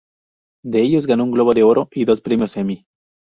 De ellos, ganó un Globo de Oro y dos premios Emmy.